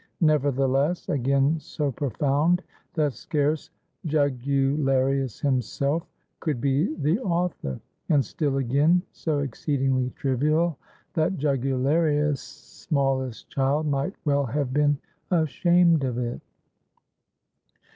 Nevertheless, again so profound, that scarce Juggularius himself could be the author; and still again so exceedingly trivial, that Juggularius' smallest child might well have been ashamed of it.